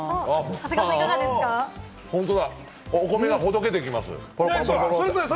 本当だ、お米がほどけていきます。